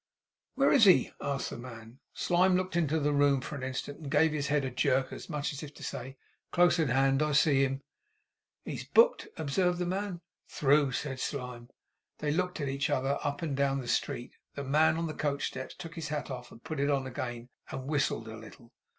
'Where is he?' asked the man. Slyme looked into the room for an instant and gave his head a jerk as much as to say, 'Close at hand. I see him.' 'He's booked,' observed the man. 'Through,' said Slyme. They looked at each other, and up and down the street. The man on the coach steps took his hat off, and put it on again, and whistled a little.